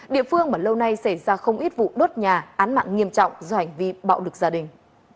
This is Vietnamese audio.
địa phương mà lâu nay xảy ra không ít vụ đốt nhà án mạng nghiêm trọng do hành vi bạo lực gia đình